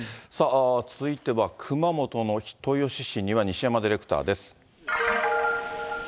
続いては、熊本の人吉市には西山ディレクターです。